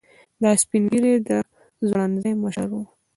دا سپین ږیری د خوړنځای مشر و.